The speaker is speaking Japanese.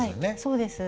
そうです。